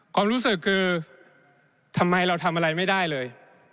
ความรู้สึกคือทำไมเราทำอะไรไม่ได้เลย